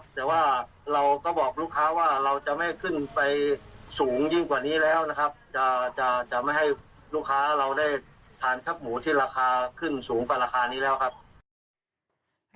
จะไม่ให้ลูกค้าเราได้ทานชักหมูที่ราคาขึ้นสูงกว่าราคานี้แล้วครับ